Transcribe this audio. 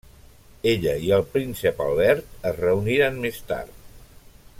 Ella i el Príncep Albert es reuniren més tard.